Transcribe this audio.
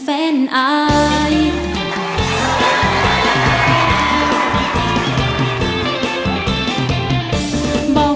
บอกรู้เป็นไงก็ตั้งแต่ได้เจอกัน